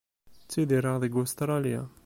Ttidireɣ deg Ustṛalya.